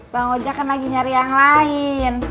bang ojek kan lagi nyari yang lain